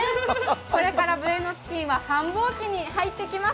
これからブエノチキンは繁忙期に入ってきます。